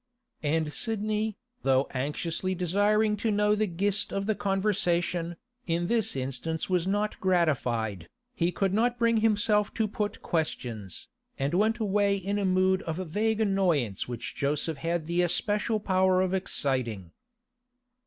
And Sidney, though anxiously desiring to know the gist of the conversation, in this instance was not gratified. He could not bring himself to put questions, and went away in a mood of vague annoyance which Joseph had the especial power of exciting.